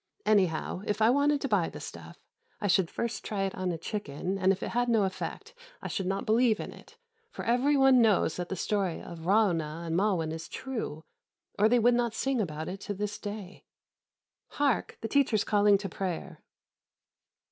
Anyhow, if I wanted to buy the stuff, I should first try it on a chicken, and if it had no effect I should not believe in it, for every one knows that the story of Ra'ûnah and Ma'win is true, or they would not sing about it to this day. Hark! the teacher is calling to prayer."